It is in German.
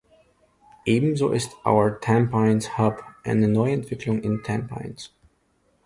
Ebenso ist "Our Tampines Hub" eine neue Entwicklung in Tampines.